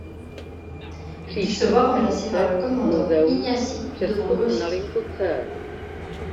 Il se voit remplacer par le commandant Ignacy Dobrogoyski.